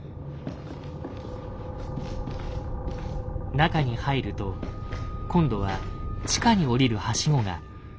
中に入ると今度は地下に降りるハシゴが。